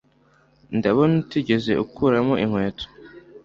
Ndabona utigeze ukuramo inkweto